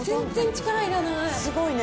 すごいね。